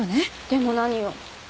でも何よ？